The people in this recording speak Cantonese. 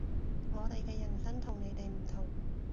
我哋嘅人生同你哋唔同